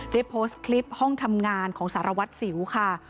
ได้โพสต์คลิปห้องทำงานของสารวัตรสิวค่ะ